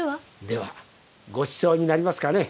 ではごちそうになりますかね